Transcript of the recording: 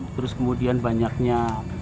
terus kemudian banyaknya